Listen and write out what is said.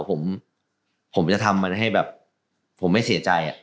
ผมผมจะทำมันให้แบบผมไม่เสียใจ